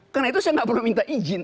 karena itu saya tidak perlu minta izin